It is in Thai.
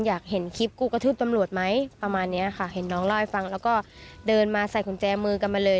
อยากเห็นคลิปกูกระทืบตำรวจไหมประมาณเนี้ยค่ะเห็นน้องเล่าให้ฟังแล้วก็เดินมาใส่กุญแจมือกันมาเลย